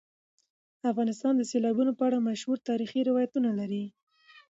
افغانستان د سیلابونو په اړه مشهور تاریخی روایتونه لري.